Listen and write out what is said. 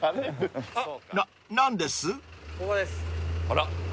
あら。